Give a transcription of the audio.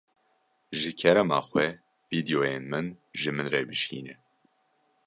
Ji kerema xwe vîdyoyên min ji min re bişîne.